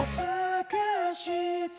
「探して」